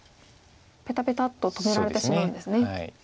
ペタペタッと止められてしまうんですね。